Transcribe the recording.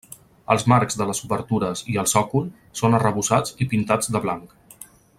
Els marcs de les obertures i el sòcol són arrebossats i pintats de blanc.